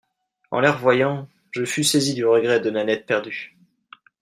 En les revoyant, je fus saisi du regret de Nanette perdue.